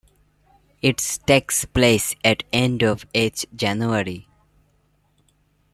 It takes place at the end of each January.